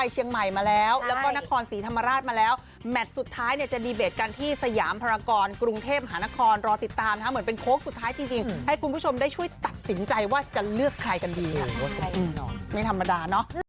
จะเลือกใครกันดีน่ะไม่ธรรมดาเนาะ